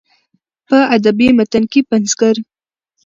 په ادبي متن کې پنځګر